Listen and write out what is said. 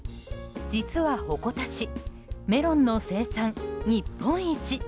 実は鉾田市メロンの生産日本一。